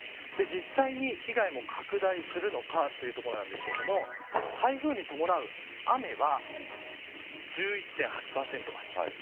実際に、被害も拡大するのかというところなんですけれども台風に伴う雨は１１．８％増しています。